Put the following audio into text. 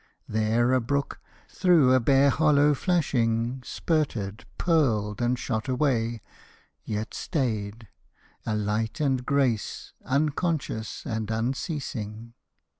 There a brook Through a bare hollow flashing, spurted, purled, And shot away, yet stayed a light and grace Unconscious and unceasing.